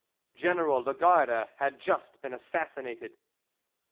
General Lagarde had just been assassinated.